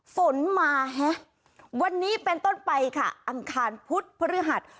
ฝนมาฮะวันนี้เป็นต้นไปค่ะอังคารพุธพฤหัส